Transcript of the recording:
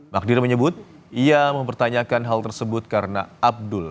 magdir menyebut ia mempertanyakan hal tersebut karena abdul